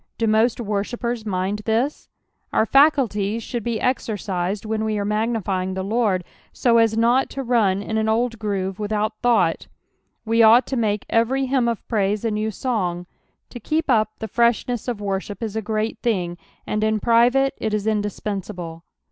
Do most worshippers mind this ? Our fscullies should be exercised whea we are uiagmfyiug the Lord, so as not to lun in an old groove without thought ; we ought to miUio ever; hymn of praise a new song. To ketp up the freshness of worship is a great thing, and in private it is indispensable.